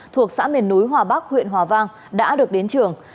thuộc xã miền núi hòa bắc huyện hòa vang đã được đến trường